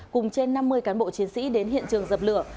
cùng trên năm mươi cán bộ chiến sĩ đến hiện trường dập lửa